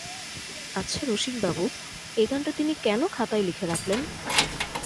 আচ্ছা রসিকবাবু, এ গানটা তিনি কেন খাতায় লিখে রাখলেন?